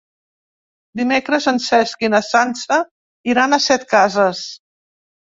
Dimecres en Cesc i na Sança iran a Setcases.